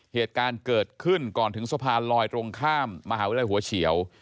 เหตุการณ์เกิดขึ้นก่อนถึงสะพานลอยตรงข้ามมหาวิทยาลัยหัวเฉียว